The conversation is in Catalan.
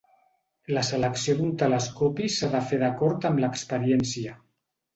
La selecció d'un telescopi s'ha de fer d'acord amb l'experiència.